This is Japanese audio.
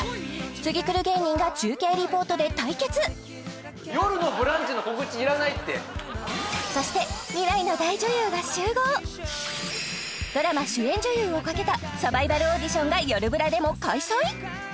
次くる芸人が中継リポートで対決そしてドラマ主演女優をかけたサバイバルオーディションがよるブラでも開催？